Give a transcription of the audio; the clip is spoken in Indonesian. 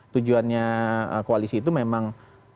tujuannya koalisi itu memang